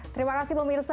terima kasih pemirsa